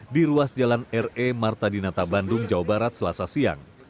di ruas jalan re marta dinata bandung jawa barat selasa siang